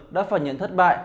đã phản nhận thất bại